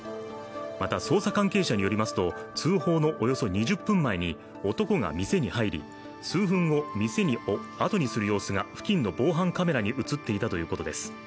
また捜査関係者によりますと通報のおよそ２０分前に男が店に入り、数分後、店をあとにする様子が付近の防犯カメラに映っていたということです。